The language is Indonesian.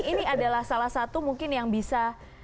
ini adalah salah satu mungkin yang bisa